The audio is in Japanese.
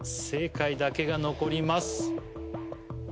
正解だけが残ります